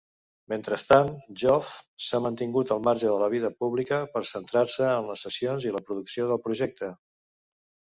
Mentrestant, Joff s'ha mantingut al marge de la vida pública per centrar-se en les sessions i la producció del projecte.